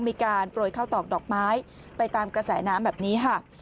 มีการโปรยข้าวตอกดอกไม้ไปตามกระแสน้ำแบบนี้ค่ะ